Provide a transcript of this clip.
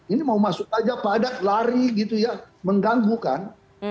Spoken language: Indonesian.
ini mau masuk aja padat lari gitu ya mengganggu kan